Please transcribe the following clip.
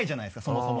そもそも。